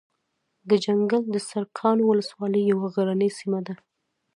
ګنجګل دسرکاڼو ولسوالۍ يو غرنۍ سيمه ده